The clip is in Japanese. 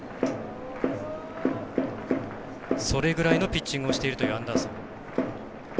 それぐらいのピッチングをしているアンダーソン。